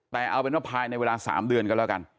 แต่เอาเป็นว่าภายในเวลา๓เดือนก็แล้วกัน